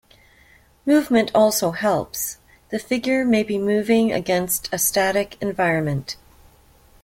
Movement also helps; the figure may be moving against a static environment.